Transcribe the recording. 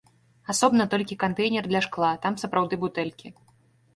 Асобна толькі кантэйнер для шкла, там сапраўды бутэлькі.